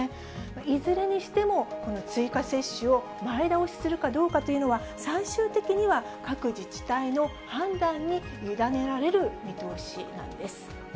いずれにしても、この追加接種を前倒しするかどうかというのは、最終的には各自治体の判断に委ねられる見通しなんです。